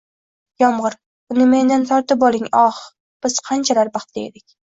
Yomg'ir! Uni mendan tortib olding, ohh! Biz qanchalar baxtli edik...